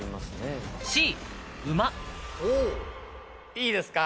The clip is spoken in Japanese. いいですか？